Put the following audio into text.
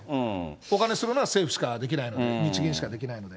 お金刷るのは政府しかできないわけで、日銀しかできないわけで。